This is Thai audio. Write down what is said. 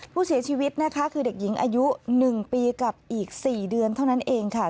ผู้เสียชีวิตนะคะคือเด็กหญิงอายุ๑ปีกับอีก๔เดือนเท่านั้นเองค่ะ